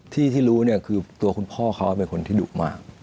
ที่รู้คือคุณพ่อเขาเป็นคนที่ดุมาก